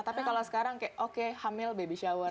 tapi kalau sekarang kayak oke hamil baby shower